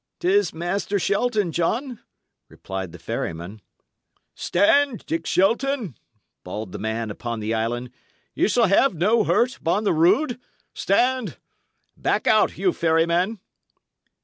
"'Tis Master Shelton, John," replied the ferryman. "Stand, Dick Shelton!" bawled the man upon the island. "Ye shall have no hurt, upon the rood! Stand! Back out, Hugh Ferryman."